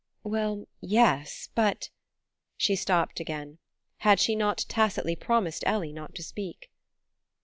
"Well, yes. But " She stopped again. Had she not tacitly promised Ellie not to speak?